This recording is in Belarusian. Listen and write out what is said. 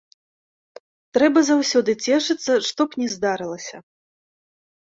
Трэба заўсёды цешыцца, што б ні здарылася.